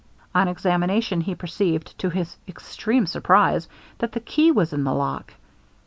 On examination he perceived, to his extreme surprize, that the key was in the lock.